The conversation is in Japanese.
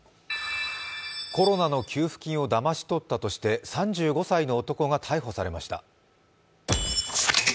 コロナの給付金をだまし取ったとして３５歳の男が逮捕されました。